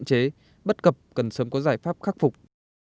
hạn chế bất cập cần sớm có giải pháp khắc phục